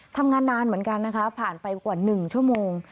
ทำงานนานเหมือนกันนะคะผ่านไปกว่า๑ชั่วโมง